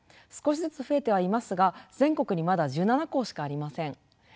少しずつ増えてはいますが全国にまだ１７校しかありません。